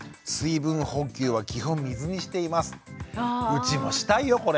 うちもしたいよこれ。